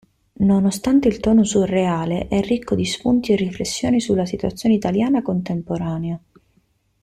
Nonostante il tono surreale è ricco di spunti e riflessioni sulla situazione italiana contemporanea.